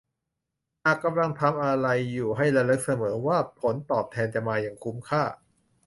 หากกำลังทำอะไรอยู่ให้ระลึกเสมอว่า ผลตอบแทนจะมาอย่างคุ้มค่า